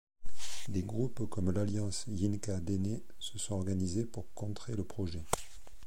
Des groupes comme l'alliance Yinka Dene se sont organisés pour contrer le projet.